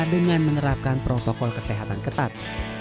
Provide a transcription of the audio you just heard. dengan menerapkan protokol kesehatan ketat